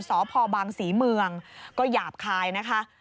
สพบางศรีเมืองก็หยาบคายนะคะ